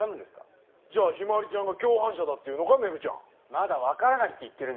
まだわからないって言ってるんです。